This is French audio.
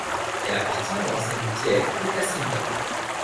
Elle appartient à l'ancienne piève de Casinca.